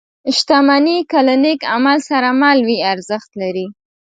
• شتمني که له نېک عمل سره مل وي، ارزښت لري.